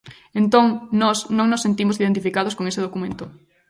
Entón nós non nos sentimos identificados con ese documento.